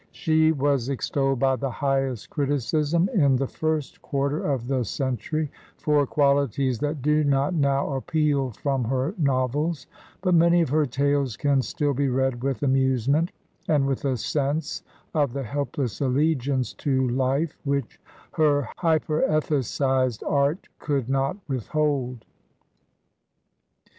She was extolled by the highest criticism in the first quarter of the century for qualities that do not now appeal from her novels, but roany of her tales can still be read with amusement, and with a sense of the helpless allegiance to life which her hyperethicized art could not withhold.